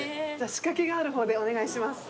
仕掛けがある方でお願いします。